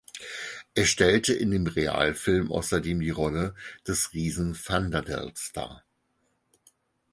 Er stellte in dem Realfilm außerdem die Rolle des Riesen "Thunderdell"s dar.